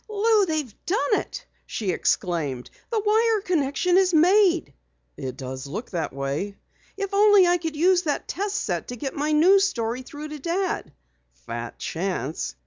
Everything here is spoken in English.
"Lou, they've done it!" she exclaimed. "The wire connection is made!" "It does look that way." "If only I could use that test set to get my news story through to Dad!" "Fat chance!"